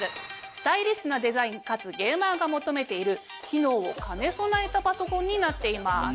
スタイリッシュなデザインかつゲーマーが求めている機能を兼ね備えたパソコンになっています。